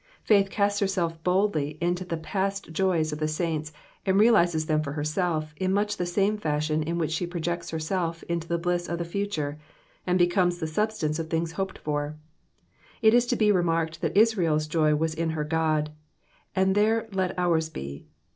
Faith casts her self bodily into the past joys of the suints, ana realises them for herself in much the same fashion in which she projects herself into the bliss of the future, and becomes the substance of things hoped for. It is to be remarked that IsraePs joy was in her God, and there let ours be.